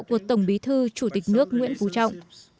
của tổng bí thư chủ tịch nước nguyễn phú trọng